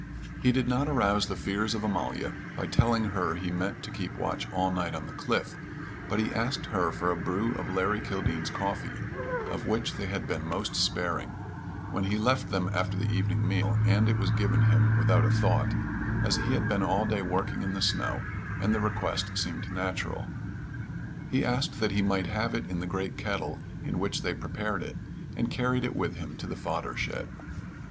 He did not arouse the fears of Amalia by telling her he meant to keep watch all night on the cliff, but he asked her for a brew of Larry Kildene's coffee of which they had been most sparing when he left them after the evening meal, and it was given him without a thought, as he had been all day working in the snow, and the request seemed natural. He asked that he might have it in the great kettle in which they prepared it, and carried it with him to the fodder shed.